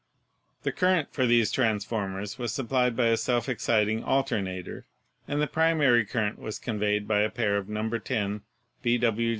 The current for these transformers was supplied by a self exciting alternator, and the primary current was convened by a pair of No. 10 B. W.